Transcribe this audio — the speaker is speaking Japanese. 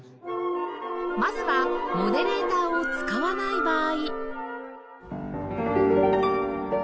まずはモデレーターを使わない場合